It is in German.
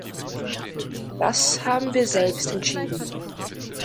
Das haben wir selbst entschieden.